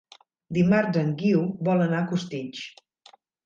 Dimarts en Guiu vol anar a Costitx.